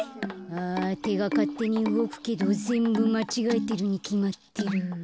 あてがかってにうごくけどぜんぶまちがえてるにきまってる。